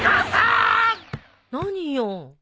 何よ。